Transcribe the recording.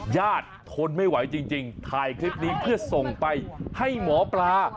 ทนไม่ไหวจริงถ่ายคลิปนี้เพื่อส่งไปให้หมอปลา